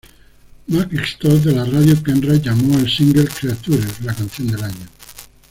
Matt Stocks de la Radio Kerrang llamó al single "Creatures" la canción del año.